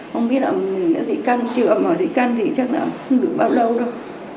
không biết là mình đã dị căn chưa mà dị căn thì chắc là không được bao lâu đâu